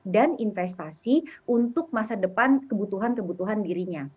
dan investasi untuk masa depan kebutuhan kebutuhan dirinya